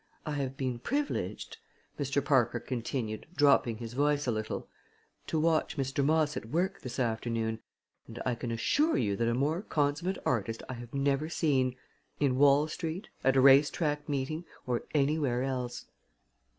I have been privileged," Mr. Parker continued, dropping his voice a little, "to watch Mr. Moss at work this afternoon; and I can assure you that a more consummate artist I have never seen in Wall Street, at a racetrack meeting, or anywhere else."